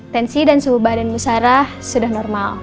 tensi dan suhu badan bu sarah sudah normal